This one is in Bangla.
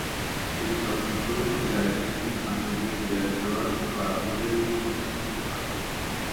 সেটি স্বতন্ত্র এয়ার স্টেশন, আঞ্চলিক ক্রীড়া নেটওয়ার্ক বা উভয়েরই মিশ্রণ হতে পারে।